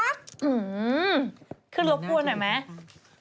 ขึ้นรบกวนหน่อยมั้ย